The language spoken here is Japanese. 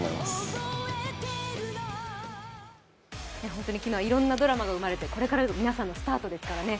本当に昨日、いろんなドラマが生まれてこれからが皆さんのスタートですからね。